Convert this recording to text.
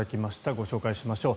ご紹介しましょう。